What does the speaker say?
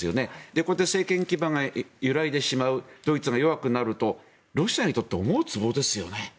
こうやって政権基盤が揺らいでしまうドイツが弱くなるとロシアにとって思うつぼですよね。